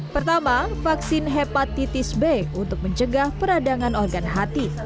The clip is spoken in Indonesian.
pertama vaksin hepatitis b untuk mencegah peradangan organ hati